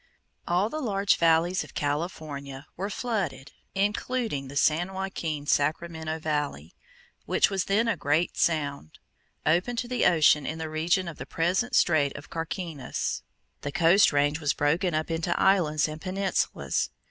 All the large valleys of California were flooded, including the San Joaquin Sacramento valley, which was then a great sound, open to the ocean in the region of the present Strait of Carquinez. The Coast range was broken up into islands and peninsulas.